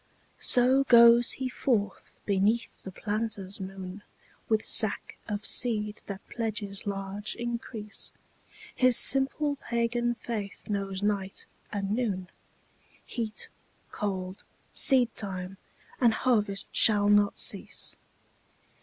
So goes he forth beneath the planter's moon With sack of seed that pledges large increase, His simple pagan faith knows night and noon, Heat, cold, seedtime and harvest shall not cease.